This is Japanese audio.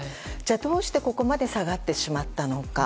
どうしてここまで下がってしまったのか。